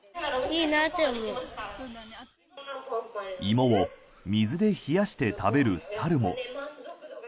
芋を水で冷やして食べる猿も。